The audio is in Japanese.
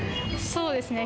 そうですね。